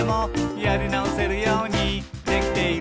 「やりなおせるようにできている」